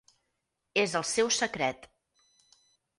És el seu secret.